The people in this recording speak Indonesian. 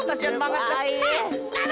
kasian banget pak